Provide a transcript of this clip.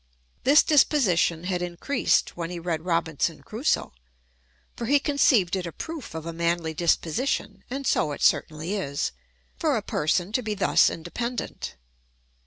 This disposition had increased when he read Robinson Crusoe; for he conceived it a proof of a manly disposition (and so it certainly is,) for a person to be thus independent.